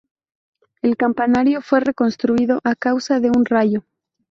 El campanario fue reconstruido a causa de un rayo.